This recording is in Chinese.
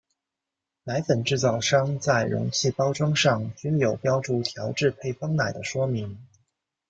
奶粉制造商在容器包装上均有标注调制配方奶的说明。